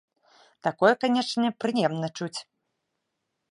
Такое, канечне, прыемна чуць.